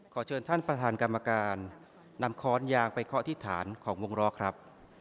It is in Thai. ขอเชิญท่านประธานกรรมการนำค้อนยางไปเคาะที่ฐานของวงล้อครับ